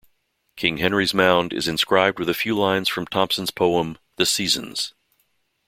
King Henry's Mound is inscribed with a few lines from Thomson's poem "The Seasons".